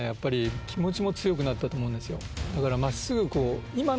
気持ちも強くなったと思うんですよ